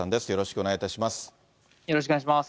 よろしくお願いします。